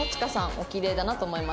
おきれいだなと思いました。